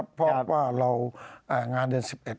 บอกว่าหยุดยาว